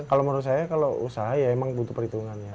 kalau menurut saya kalau usaha ya emang butuh perhitungannya